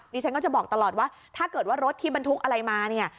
ฉันก็จะบอกตลอดว่าถ้าเกิดว่ารถที่บรรทุกอะไรมาเนี่ย